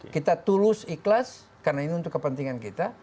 kita tulus ikhlas karena ini untuk kepentingan kita